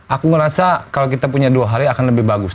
aku ngerasa kalau kita punya dua hari akan lebih bagus